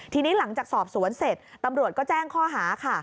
ทีนี้หลังจากสอบสวนเสร็จตำรวจก็แจ้งข้อหาค่ะ